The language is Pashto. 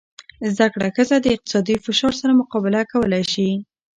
زده کړه ښځه د اقتصادي فشار سره مقابله کولی شي.